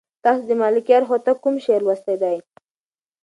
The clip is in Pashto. تاسو د ملکیار هوتک کوم شعر لوستی دی؟